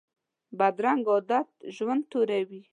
بدرنګه عادت ژوند توروي